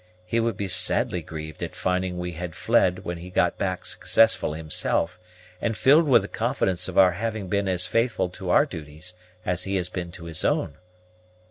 He would be sadly grieved at finding we had fled when he got back successful himself, and filled with the confidence of our having been as faithful to our duties as he has been to his own."